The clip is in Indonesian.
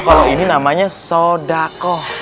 kalau ini namanya sodakoh